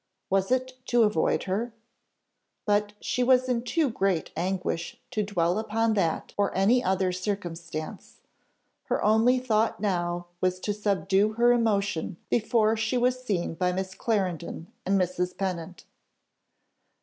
Was it to avoid her? But she was in too great anguish to dwell upon that or any other circumstance; her only thought now was to subdue her emotion before she was seen by Miss Clarendon and Mrs. Pennant.